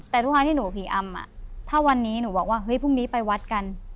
แต่ทุกครั้งที่หนูผีอำถ้าวันนี้หนูบอกว่าเฮ้ยพรุ่งนี้ไปวัดกัน